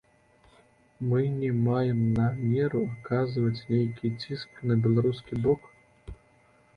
Мы не маем намеру аказваць нейкі ціск на беларускі бок.